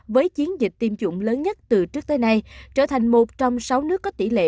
với chiến dịch tiêm chủng lớn nhất từ trước tới nay trở thành một trong sáu nước có tỷ lệ